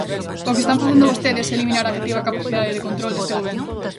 O que están facendo vostedes é eliminar a cativa capacidade de control deste goberno.